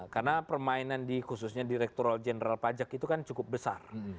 karena permainan di khususnya direktural general pajak itu kan cukup besar